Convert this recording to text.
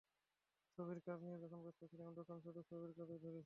ছবির কাজ নিয়ে যখন ব্যস্ত ছিলাম, তখন শুধু ছবির কাজই করেছি।